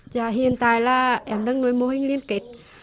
và hiện tại là em đang nuôi mô hình liên kết